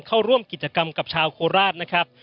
เข้าร่วมกิจกรรมกับชาวโคราชนะครับ